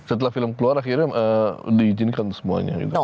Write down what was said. setelah film keluar akhirnya diizinkan semuanya